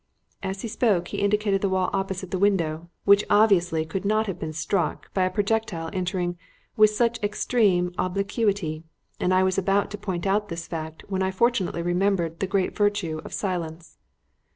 As he spoke, he indicated the wall opposite the window, which obviously could not have been struck by a projectile entering with such extreme obliquity; and I was about to point out this fact when I fortunately remembered the great virtue of silence.